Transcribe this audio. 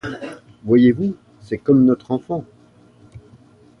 Voyez-vous, c'est comme notre enfant.